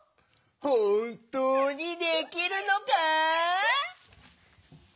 ほんとうにできるのか？